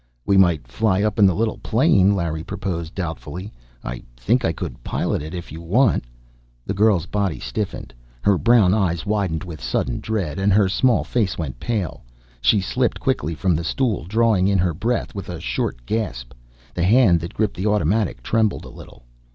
"We might fly up, in the little plane," Larry proposed, doubtfully. "I think I could pilot it. If you want " The girl's body stiffened. Her brown eyes widened with sudden dread, and her small face went pale. She slipped quickly from the stool, drawing in her breath with a sort of gasp. The hand that gripped the automatic trembled a little.